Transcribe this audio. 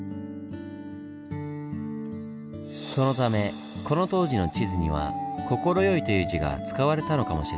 そのためこの当時の地図には「快い」という字が使われたのかもしれませんね。